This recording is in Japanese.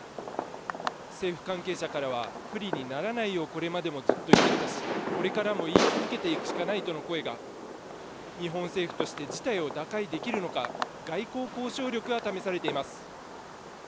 政府関係者からは不利にならないようこれまでもずっと言ってきたし、これからも言い続けていくしかないとの声が日本政府として事態を打開できるのか外交交渉力が試されています。